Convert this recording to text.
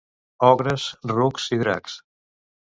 Ogres, rucs i dracs.